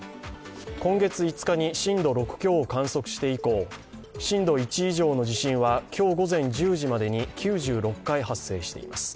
今月５日に震度６強を観測して以降、震度１以上の地震は今日午前１０時までに９６回発生しています。